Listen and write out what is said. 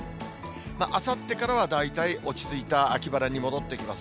あさってからは大体落ち着いた秋晴れに戻ってきます。